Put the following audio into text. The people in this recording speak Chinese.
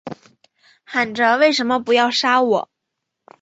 喊着什么不要杀我